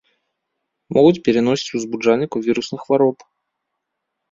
Могуць пераносіць узбуджальнікаў вірусных хвароб.